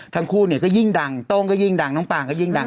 ทั้งคู่เนี่ยก็ยิ่งดังโต้งก็ยิ่งดังน้องปางก็ยิ่งดัง